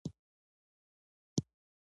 عدالت د ټولنیز ثبات بنسټ ګڼل کېږي.